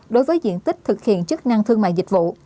đối với diện tích thực hiện chức năng thương mại dịch vụ